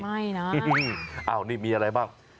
ไม่นะอ้าวนี่มีอะไรบ้าง